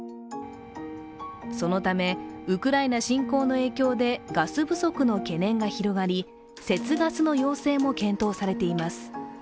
そのため、ウクライナ侵攻の影響で、ガス不足の懸念が広がり、節ガスの要請も検討されています。